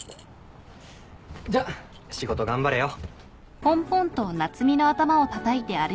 じゃ仕事頑張れよ。